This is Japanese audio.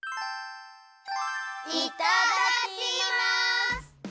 いただきます！